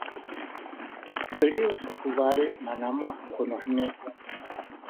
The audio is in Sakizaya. beliw sa ku bali manamuh kuheni